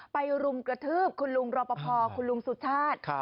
รุมกระทืบคุณลุงรอปภคุณลุงสุชาติ